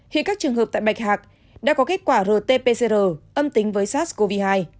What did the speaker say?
hiện các trường hợp tại bạch hạc đã có kết quả rt pcr âm tính với sars cov hai